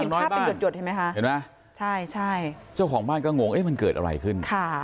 เห็นภาพเป็นหยดหยดเห็นไหมคะเจ้าของบ้านก็งงมันเกิดอะไรขึ้น